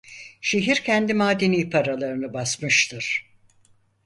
Şehir kendi madeni paralarını basmıştır.